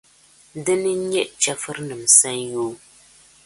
Dina n-nyɛ chεfurinim’ sanyoo.